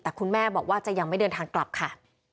แต่คุณแม่บอกว่าจะยังไม่เดินทางกลับค่ะ